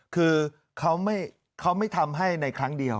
คือเขาไม่ทำให้ในครั้งเดียว